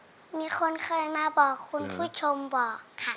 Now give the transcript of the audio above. ก็มีคนเคยมาบอกคุณผู้ชมบอกค่ะ